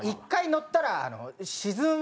１回乗ったら。